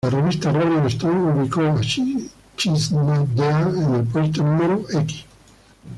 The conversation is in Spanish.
La revista "Rolling Stone" ubicó a "She's Not There" en el puesto No.